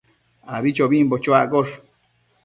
abichobimbo chuaccosh